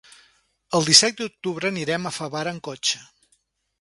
El disset d'octubre anirem a Favara amb cotxe.